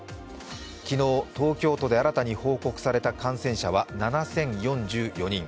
昨日、東京都で新たに報告された感染者は７０４４人。